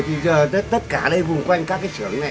thì giờ tất cả đây vùng quanh các cái xưởng này